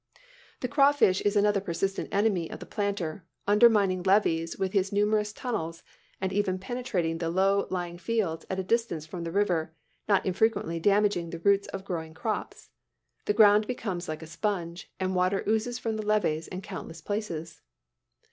The craw fish is another persistent enemy of the planter, undermining levees with his numerous tunnels, and even penetrating the low lying fields at a distance from the river, not infrequently damaging the roots of growing crops. The ground becomes like a sponge, and water oozes from the levees in countless places.